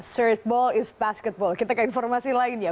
streetball is basketball kita ke informasi lainnya